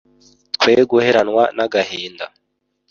tweguheranwa n’agahinda